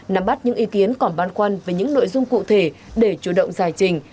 nắm bắt những ý kiến còn băn khoăn về những nội dung cụ thể để chủ động giải trình